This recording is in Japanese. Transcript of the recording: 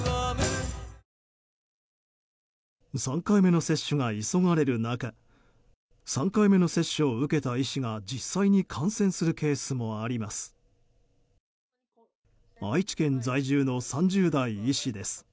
３回目の接種が急がれる中３回目の接種を受けた医師が実際に感染するケースもあります。